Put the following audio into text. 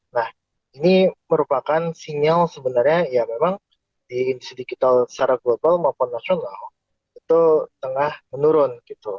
nah ini merupakan sinyal sebenarnya ya memang di industri digital secara global maupun nasional itu tengah menurun gitu